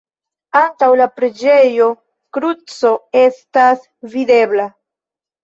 Antaŭ la preĝejo kruco estas videbla.